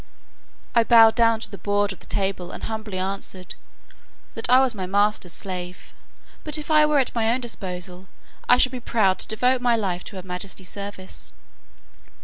I bowed down to the board of the table, and humbly answered "that I was my master's slave: but, if I were at my own disposal, I should be proud to devote my life to her majesty's service."